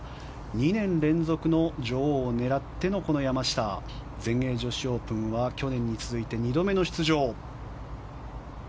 ２年連続の女王を狙っての山下全英女子オープンは去年に続いて２度目の出場。